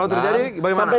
kalau terjadi bagaimana